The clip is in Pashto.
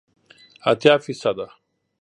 اتیا فیصده